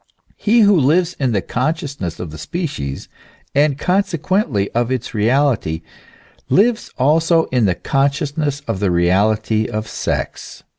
He who lives in the consciousness of the species, and consequently of its reality, lives also in the consciousness of the reality of sex.